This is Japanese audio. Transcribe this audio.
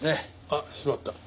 あっしまった。